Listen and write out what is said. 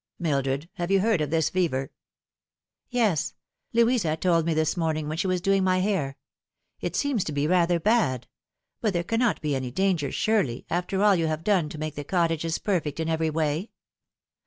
" Mildred, have you heard of this fever ?"" Yes ; Louisa told me this morning when she was doing my hair. It seems to be rather bad ; but there cannot be any danger, eurely, after all you have done to make the cottages perfect in every way